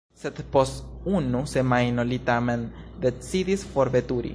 Sed post unu semajno li tamen decidis forveturi.